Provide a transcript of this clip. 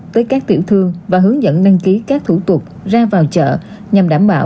tới các tiểu thương và hướng dẫn đăng ký các thủ tục ra vào chợ nhằm đảm bảo